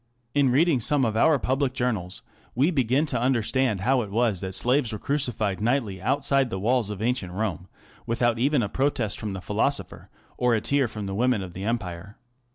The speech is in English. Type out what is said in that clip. In reading some of our public journals, we begin to understand how it was that slaves were crucified nightly outside the walls of ancient Rome, without even a protest from the philosopher or a tear from the women of the empire.